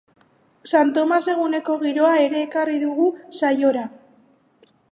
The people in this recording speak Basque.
Santomas eguneko giroa ere ekarriko dugu saiora.